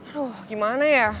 aduh gimana ya